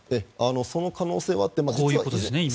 その可能性はあって。